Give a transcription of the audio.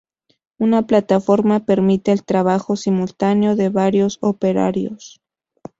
Una plataforma permite el trabajo simultáneo de varios operarios.